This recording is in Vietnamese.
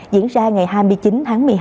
diễn ra ngày hai mươi chín tháng một mươi hai